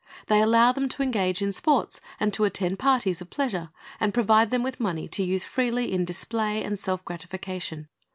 They allow them to engage in sports, and to attend parties of pleasure, and provide them with money to use freely in display and self gratification.